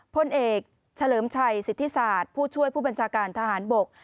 พลเอกเฉลิมชัยสิทธิศาสตร์ผู้ช่วยผู้บัญชาการทหารบก